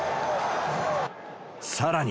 さらに、